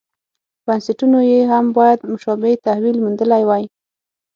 بنسټونو یې هم باید مشابه تحول موندلی وای.